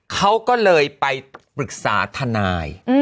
เขาก็เลยไปปรึกษาทนาย